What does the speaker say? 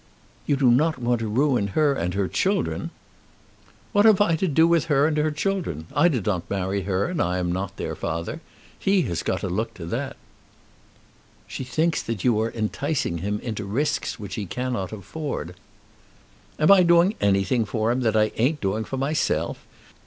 "You do not want to ruin her and her children!" "What have I to do with her and her children? I did not marry her, and I am not their father. He has got to look to that." "She thinks that you are enticing him into risks which he cannot afford." "Am I doing anything for him that I ain't doing for myself!